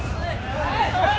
はい！